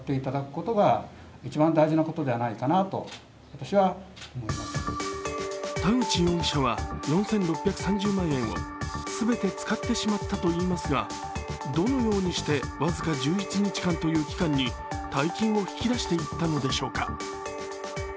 これに阿武町長は田口容疑者は４６３０万円を全て使ってしまったといいますが、どのようにして僅か１１日間という期間に大金を引き出していったのでしょうか。